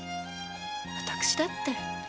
私だって。